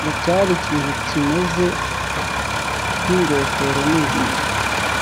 ngo cyari ikintu cyimeze nk’ingofero nini